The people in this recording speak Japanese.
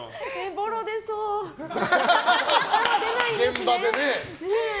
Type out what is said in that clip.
ボロ出ないんですね。